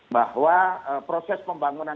bahwa proses pembangunan